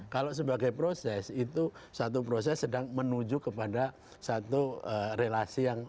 kalau sebagai proses itu satu proses sedang menuju kepada satu relasi yang